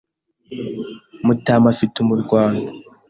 Mutamu afite umurwano